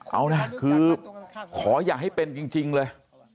เอานะคือขออย่าให้เป็นจริงเลย